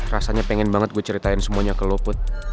rasanya pengen banget gue ceritain semuanya ke lo put